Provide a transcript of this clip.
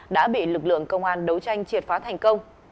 đã bị lực lượng công an đấu tranh triệt phá thành công